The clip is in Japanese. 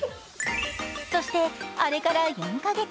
そしてあれから４か月。